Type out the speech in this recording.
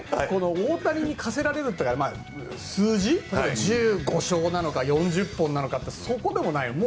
大谷に課せられる数字は１５勝なのか４０本なのかってそこでもない。